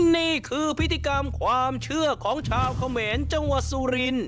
นี่คือพิธีกรรมความเชื่อของชาวเขมรจังหวัดสุริน